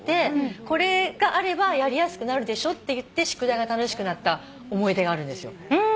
「これがあればやりやすくなるでしょ」って言って宿題が楽しくなった思い出があるんですよ。